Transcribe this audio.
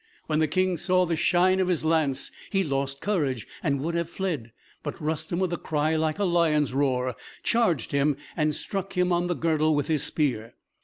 When the King saw the shine of his lance, he lost courage, and would have fled. But Rustem, with a cry like a lion's roar, charged him, and struck him on the girdle with his spear.